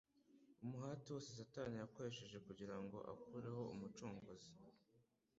Umuhati wose Satani yakoresheje kugira ngo akureho umucunguzi